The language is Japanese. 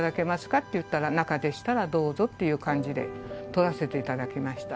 って言ったら、中でしたらどうぞっていう感じで、撮らせていただきました。